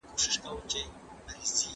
څلور سترګې تر دوو سترګو ښې